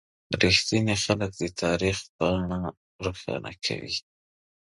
• رښتیني خلک د تاریخ پاڼه روښانه کوي.